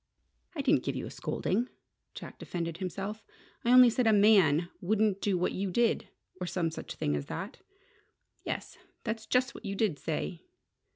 "I didn't give you a scolding," Jack defended himself. "I only said a man wouldn't do what you did or some such thing as that." "Yes. That's just what you did say."